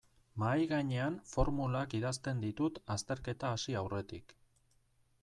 Mahaigainean formulak idazten ditut azterketa hasi aurretik.